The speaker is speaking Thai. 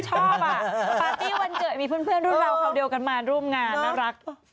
ชอบอ่ะปาร์ตี้วันเกิดมีเพื่อนรุ่นเราคราวเดียวกันมาร่วมงานน่ารัก